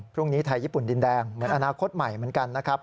พรุ่งนี้ไทยญี่ปุ่นดินแดงเหมือนอนาคตใหม่เหมือนกันนะครับ